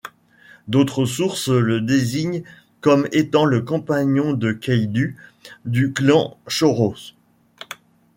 D'autres sources le désignent comme étant le compagnon de Qaïdu du clan Choros.